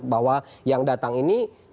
bahwa yang datang ini